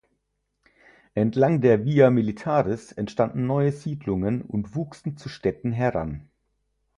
Entlang der Via Militaris entstanden neue Siedlungen und wuchsen zu Städten heran.